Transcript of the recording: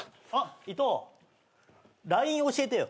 ＬＩＮＥ教えてよ。